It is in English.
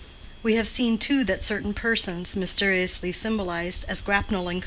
We have seen, too, that certain persons, mysteriously symbolized as Grapnell & Co.